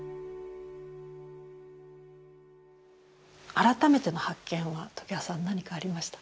改めての発見は常盤さん何かありました？